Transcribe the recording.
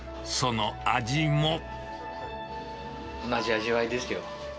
同じ味わいですよ。